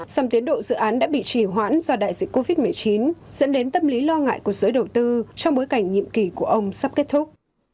sầm tiến độ dự án đã bị trì hoãn do đại dịch covid một mươi chín dẫn đến tâm lý lo ngại của giới đầu tư trong bối cảnh nhiệm kỳ của ông sắp kết thúc